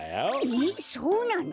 えそうなの！？